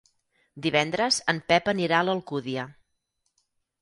Divendres en Pep anirà a l'Alcúdia.